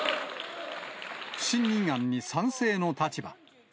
不信任案に賛成の立場。